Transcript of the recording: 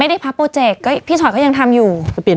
ไม่ได้พักโปรเจกพี่ฉอดก็ยังทำอยู่